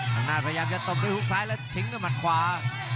ทางด้านพยายามจะตบด้วยฮุกซ้ายแล้วทิ้งด้วยหมัดขวา